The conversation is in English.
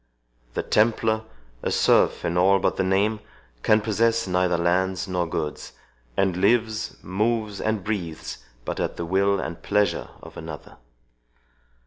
The Templar, a serf in all but the name, can possess neither lands nor goods, and lives, moves, and breathes, but at the will and pleasure of another."